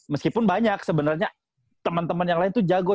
meskipun banyak sebenarnya teman teman yang lain itu jago